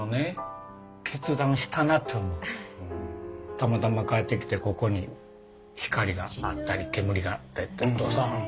たまたま帰ってきてここに光があったり煙があったりとかさ。